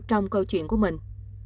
trong câu chuyện của mình